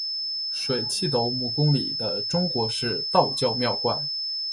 水碓斗母宫里的中国式道教庙观。